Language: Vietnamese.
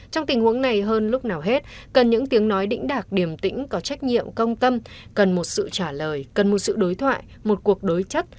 trong tình huống này hơn lúc nào hết cần những tiếng nói đỉnh đạt điểm tĩnh có trách nhiệm công tâm cần một sự trả lời cần một sự đối thoại một cuộc đối chất